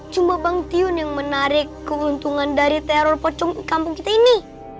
cuma bang tiun yang menarik keuntungan dari teror pocong kampung kita ini